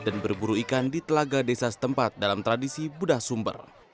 dan berburu ikan di telaga desa setempat dalam tradisi bedah sumber